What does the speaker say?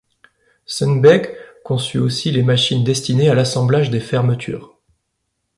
Sunbäck conçut aussi les machines destinées à l'assemblage des fermetures.